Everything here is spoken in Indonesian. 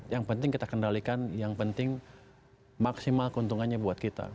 yang penting kita kendalikan yang penting maksimal keuntungannya buat kita